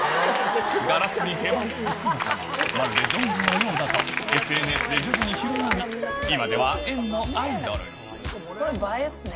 ガラスにへばりつく姿が、まるでゾンビのようだと、ＳＮＳで徐々に広がり、今では園のアイこれ、映えですね。